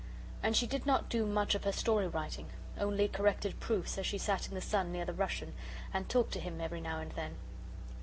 And she did not do much of her story writing, only corrected proofs as she sat in the sun near the Russian, and talked to him every now and then.